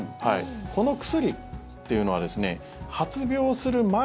この薬というのは発病する前